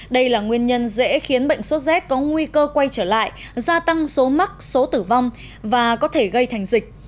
đây là nguyên nhân dễ khiến bệnh số z có nguy cơ quay trở lại gia tăng số mắc số tử vong và có thể gây thành dịch